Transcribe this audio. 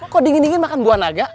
kok dingin dingin makan buah naga